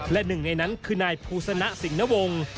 และหนึ่งในนั้นคือนายภูสนะสิงหนวงศ์